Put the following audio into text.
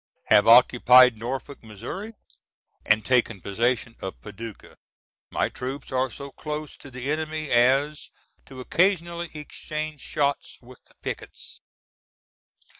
Have occupied Norfolk, Missouri, and taken possession of Paducah. My troops are so close to the enemy as to occasionally exchange shots with the pickets.